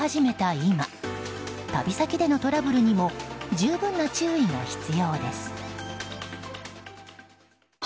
今旅先でのトラブルにも十分な注意が必要です。